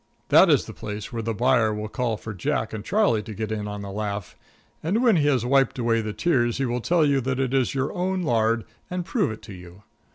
That is the place where the buyer will call for Jack and Charlie to get in on the laugh, and when he has wiped away the tears he will tell you that it is your own lard, and prove it to you.